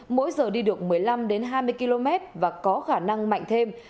mỗi giờ đi được một mươi năm hai mươi km và có khả năng mạnh thêm